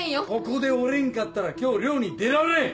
ここで折れんかったら今日漁に出られん！